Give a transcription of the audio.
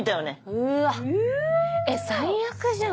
うわ最悪じゃん。